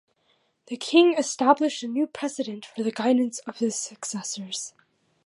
The king established a new precedent for the guidance of his successors.